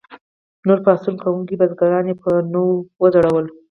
نور پاڅون کوونکي بزګران یې په ونو وځړول.